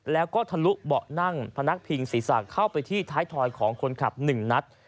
แล้วก็ทะลุเบาะนั่งพนักพิงศีรษะเข้าไปที่ท้ายถอยของคนขับ๑นัด